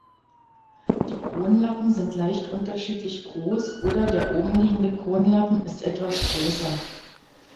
Die Kronlappen sind leicht unterschiedlich groß oder der oben liegende Kronlappen ist etwas größer.